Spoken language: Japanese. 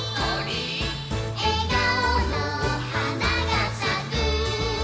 「えがおのはながさく」